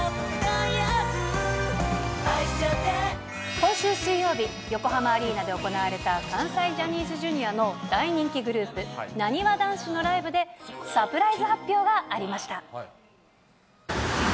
今週水曜日、横浜アリーナで行われた関西ジャニーズＪｒ．の大人気グループ、なにわ男子のライブで、サプライズ発表がありました。